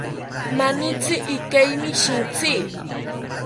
Manitzi ikeimi shintzi